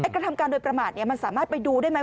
กระทำการโดยประมาทมันสามารถไปดูได้ไหม